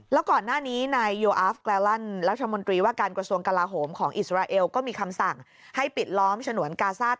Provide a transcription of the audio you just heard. แล้วก่อนหน้านี้นายโยอาฟแกลลันรัฐมนตรีว่าการกระทรวงกลาโหมของอิสราเอลก็มีคำสั่งให้ปิดล้อมฉนวนกาซ่า